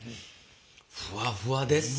ふわふわでっせ。